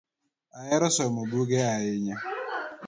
Ahero somo buge ahinya